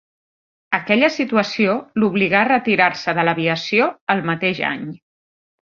Aquella situació l'obligà a retirar-se de l'aviació el mateix any.